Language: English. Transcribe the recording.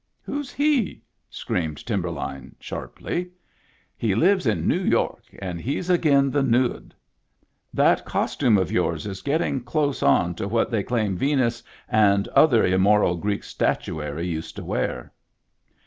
"Who's he?" screamed Timberline, sharply. "He lives in Noo York, and he's agin the nood. That costume of yours is getting close on to what they claim Venus and other immoral Greek statuary used to wear."